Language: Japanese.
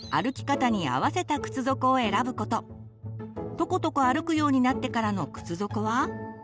とことこ歩くようになってからの靴底は。